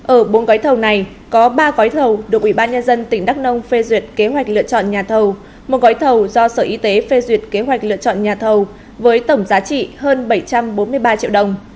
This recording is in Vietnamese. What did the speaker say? ở bốn gói thầu này có ba gói thầu được ủy ban nhân dân tỉnh đắk nông phê duyệt kế hoạch lựa chọn nhà thầu một gói thầu do sở y tế phê duyệt kế hoạch lựa chọn nhà thầu với tổng giá trị hơn bảy trăm bốn mươi ba triệu đồng